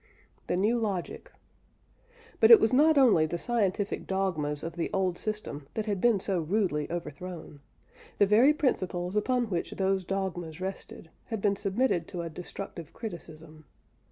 THE NEW LOGIC. But it was not only the scientific dogmas of the old system that had been so rudely overthrown the very principles upon which those dogmas rested had been submitted to a destructive criticism.